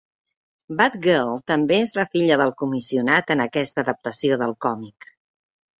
Batgirl també és la filla del Comissionat en aquesta adaptació del còmic.